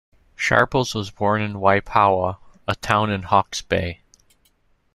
Sharples was born in Waipawa, a town in Hawke's Bay.